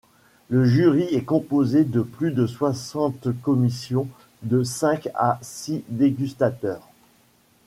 Le jury est composé de plus de soixante commissions de cinq à six dégustateurs.